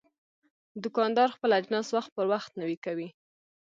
دوکاندار خپل اجناس وخت پر وخت نوی کوي.